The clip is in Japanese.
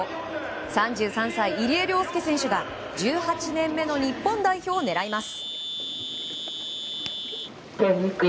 ３３歳、入江陵介選手が１８年目の日本代表を狙います。